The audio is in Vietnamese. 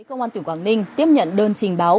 công an tỉnh quảng ninh tiếp nhận đơn trình báo